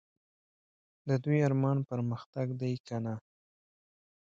د دوی ارمان پرمختګ دی که نه ؟